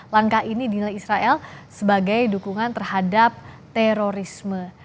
langkah ini dinilai israel sebagai dukungan terhadap terorisme